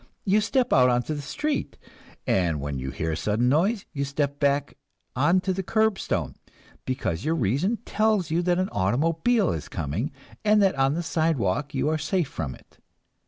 You step out onto the street, and when you hear a sudden noise, you step back onto the curbstone, because your reason tells you that an automobile is coming, and that on the sidewalk you are safe from it.